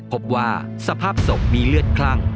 พบว่าสภาพศพมีเลือดคลั่ง